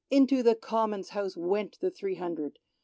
Into the Common's House went the three hundred.